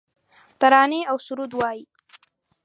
ترانې اوسرود وایې